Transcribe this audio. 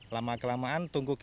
lama kelamaan tungku kremasi